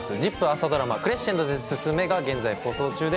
朝ドラマ『クレッシェンドで進め』が現在放送中です。